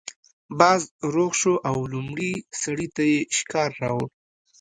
باز روغ شو او لومړي سړي ته یې شکار راوړ.